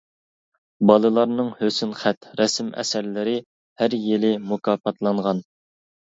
بالىلارنىڭ ھۆسن خەت، رەسىم ئەسەرلىرى ھەر يىلى مۇكاپاتلانغان.